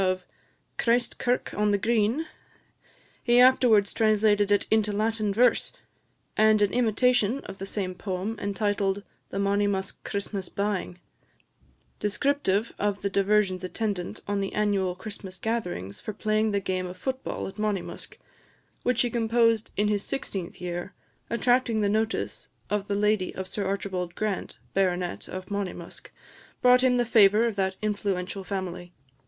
of "Christ kirk on the Green;" he afterwards translated it into Latin verse; and an imitation of the same poem, entitled "The Monymusk Christmas Ba'ing," descriptive of the diversions attendant on the annual Christmas gatherings for playing the game of foot ball at Monymusk, which he composed in his sixteenth year, attracting the notice of the lady of Sir Archibald Grant, Bart. of Monymusk, brought him the favour of that influential family.